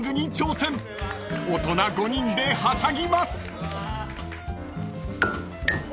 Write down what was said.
［大人５人ではしゃぎます］